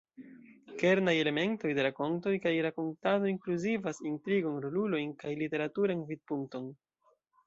Kernaj elementoj de rakontoj kaj rakontado inkluzivas intrigon, rolulojn, kaj literaturan vidpunkton.